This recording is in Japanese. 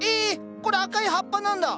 これ赤い葉っぱなんだ！